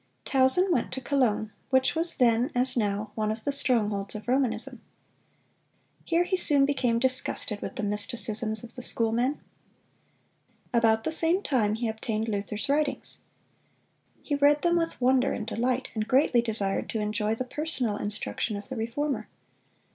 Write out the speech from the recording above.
Tausen went to Cologne, which was then, as now, one of the strongholds of Romanism. Here he soon became disgusted with the mysticisms of the schoolmen. About the same time he obtained Luther's writings. He read them with wonder and delight, and greatly desired to enjoy the personal instruction of the Reformer.